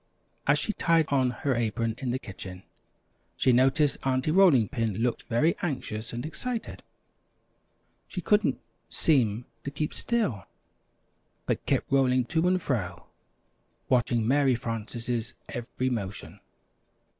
As she tied on her apron in the kitchen, she noticed Aunty Rolling Pin looked very anxious and excited. She couldn't seem to keep still, but kept rolling to and fro, watching Mary Frances' every motion.